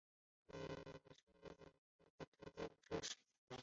原待避线用地改建为收费自行车停车场与往剪票口层的电梯等设施。